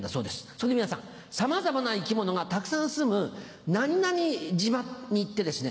そこで皆さんさまざまな生き物がたくさんすむ何々島に行ってですね